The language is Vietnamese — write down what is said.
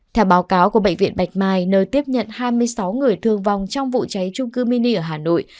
theo báo cáo của bệnh viện bạch mai nơi tiếp nhận hai mươi sáu người thương vong trong vụ cháy trung cư mini ở hà nội